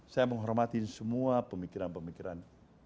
saya menghormati semua pemikiran pemikiran